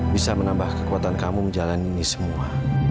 bisa menambah kekuatan kamu menjalani ini semua